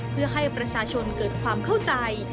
เพื่อให้ประชาชนเกิดความเข้าใจ